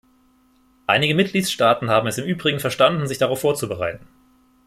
Einige Mitgliedstaaten haben es im Übrigen verstanden, sich darauf vorzubereiten.